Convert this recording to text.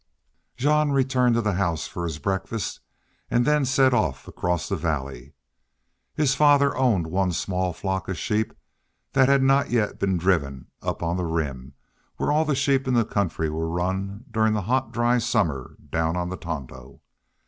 Jean returned to the house for his breakfast, and then set off across the valley. His father owned one small flock of sheep that had not yet been driven up on the Rim, where all the sheep in the country were run during the hot, dry summer down on the Tonto.